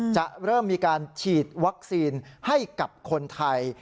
จะเริ่มมีการฉีดวัคซีนให้กับคนไทย